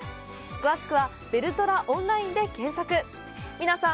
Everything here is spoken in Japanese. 詳しくは「ベルトラオンライン」で検索皆さん